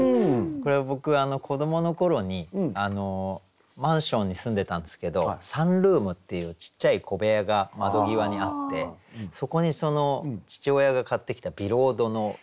これ僕子どもの頃にマンションに住んでたんですけどサンルームっていうちっちゃい小部屋が窓際にあってそこに父親が買ってきたビロードのソファーが。